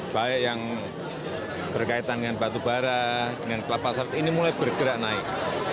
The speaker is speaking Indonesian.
baik yang berkaitan dengan batu bara dengan kelapa sawit ini mulai bergerak naik